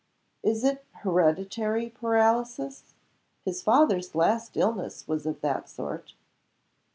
"Is it hereditary paralysis? His father's last illness was of that sort."